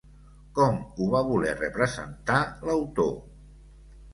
Com ho va voler representar l'autor?